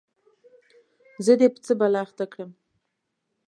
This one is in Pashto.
زه دي په څه بلا اخته کړم ؟